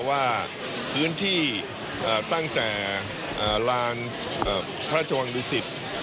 ว่าพื้นที่ตั้งแต่ลานพระทวงศ์ดุสิทธิ์